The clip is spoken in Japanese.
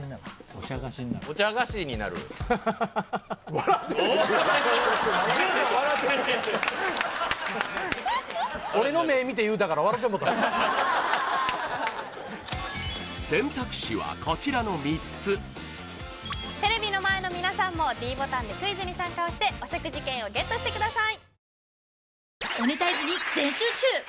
お茶菓子になる選択肢はこちらの３つテレビの前の皆さんもｄボタンでクイズに参加をしてお食事券をＧＥＴしてください